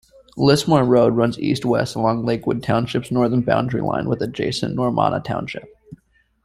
Lismore Road runs east-west along Lakewood Township's northern boundary line with adjacent Normanna Township.